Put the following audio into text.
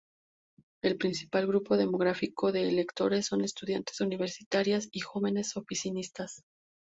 El principal grupo demográfico de lectores son estudiantes universitarias y jóvenes oficinistas.